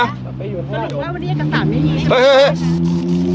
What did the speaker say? เฮ้ยเฮ้ยเฮ้ย